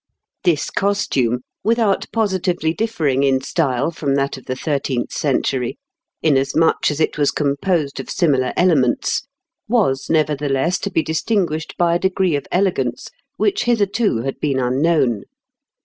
] This costume, without positively differing in style from that of the thirteenth century, inasmuch as it was composed of similar elements, was nevertheless to be distinguished by a degree of elegance which hitherto had been unknown.